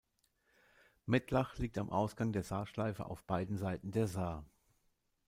Mettlach liegt am Ausgang der Saarschleife auf beiden Seiten der Saar.